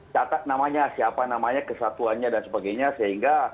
catat namanya siapa namanya kesatuannya dan sebagainya sehingga